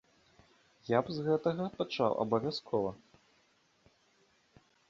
Я б з гэтага пачаў абавязкова.